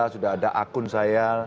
sudah ada akun saya